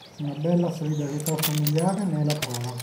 Una bella solidarietà familiare ne è la prova.